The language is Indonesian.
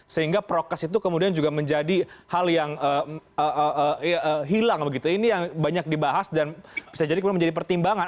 sehingga prokes itu kemudian juga menjadi hal yang hilang begitu ini yang banyak dibahas dan bisa jadi kemudian menjadi pertimbangan